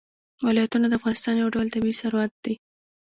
ولایتونه د افغانستان یو ډول طبعي ثروت دی.